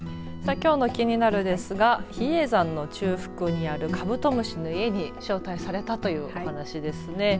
きょうのキニナル！ですが比叡山の中腹にあるかぶと虫の家に招待されたというお話ですね。